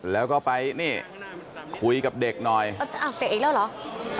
แล้วก็ไปนี่คุยกับเด็กหน่อยอ้าวเตะอีกแล้วเหรอ